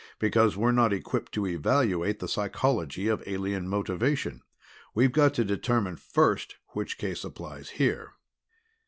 "Because we're not equipped to evaluate the psychology of alien motivation. We've got to determine first which case applies here."